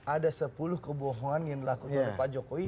ada sepuluh kebohongan yang dilakukan oleh pak jokowi